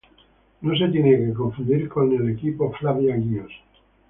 No se tiene que confundir con el equipo Flavia-Gios.